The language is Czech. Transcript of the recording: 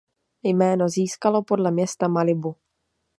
Jméno získalo podle města Malibu.